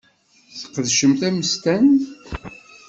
Tesqedcemt ammesten?